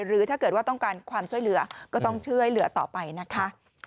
หรือถ้าเกิดว่าต้องการความช่วยเหลือก็ต้องช่วยเหลือต่อไปนะคะ